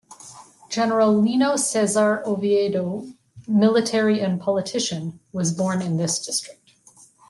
General Lino Cesar Oviedo, military and politician, was born in this district.